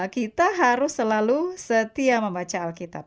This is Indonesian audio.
kita harus selalu setia membaca alkitab